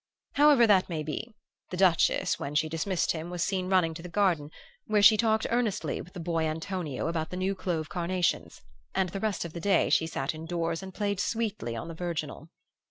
"However that may be, the Duchess, when she dismissed him, was seen running to the garden, where she talked earnestly with the boy Antonio about the new clove carnations; and the rest of the day she sat indoors and played sweetly on the virginal.